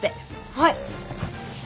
はい。